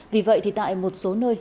vì vậy tại một số nơi